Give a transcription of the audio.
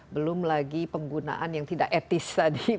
belum lagi penggunaan yang tidak etis tadi bisa dibilang